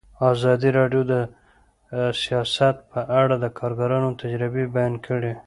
ازادي راډیو د سیاست په اړه د کارګرانو تجربې بیان کړي.